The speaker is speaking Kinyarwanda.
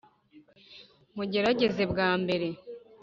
mugerageze bwa mbere.